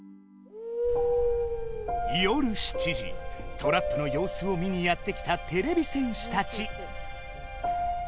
トラップのようすを見にやって来たてれび戦士たち。